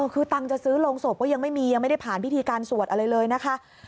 คือตังค์จะซื้อโรงศพก็ยังไม่มียังไม่ได้ผ่านพิธีการสวดอะไรเลยนะคะ